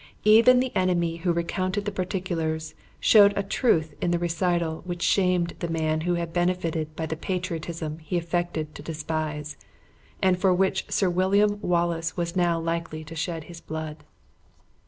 Even the enemy who recounted the particulars, showed a truth in the recital which shamed the man who had benefited by the patriotism he affected to despise, and for which Sir William Wallace was now likely to shed his blood.